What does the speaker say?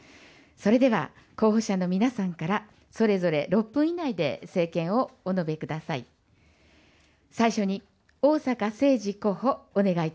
それでは、候補者の皆さんからそれぞれ６分以内で政見をお述べください。